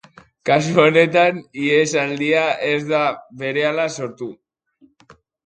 Kasu honetan ihesaldia ez da berehala sortu.